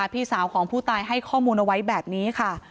พี่สาวของผู้ตายให้ข้อมูลเอาไว้แบบนี้ค่ะ